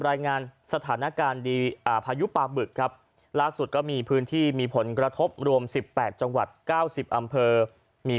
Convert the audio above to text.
รายงานสถานการณ์ดีอ่าพายุปลาบึกครับล่าสุดก็มีพื้นที่มีผลกระทบรวมสิบแปดจังหวัด๙๐อำเภอมี